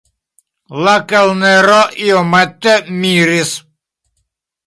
La kelnero iomete miris.